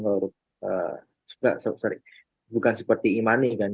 kalau bukan seperti e money kan